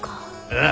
ああ。